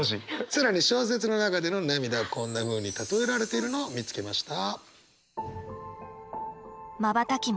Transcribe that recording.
更に小説の中での涙はこんなふうに例えられているのを見つけました。